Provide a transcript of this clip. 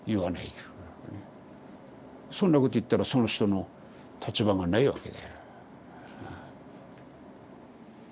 そんなこと言ったらその人の立場がないわけだよ。